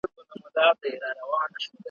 همېشه وي ګنډکپانو غولولی `